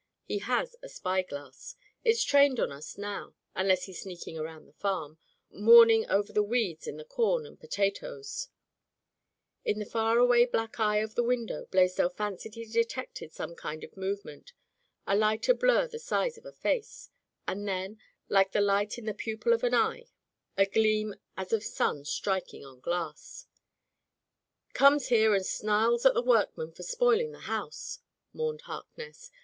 He has a spy glass. It's trained on us now, unless he's sneaking around the farm, mourning over weeds in the corn and po tatoes/' In the far away black eye of the window Blaisdell fancied he detected some kind of movement, a lighter blur the size of a face, and then, like the light in the pupil of an eye, a gleam as of sun striking on glass. ''Comes here and snarls at the workmen for spoiling the house," mourned Harkness.